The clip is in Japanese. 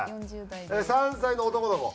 ３歳の男の子？